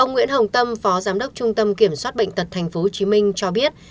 nguyễn hồng tâm phó giám đốc trung tâm kiểm soát bệnh tật tp hcm cho biết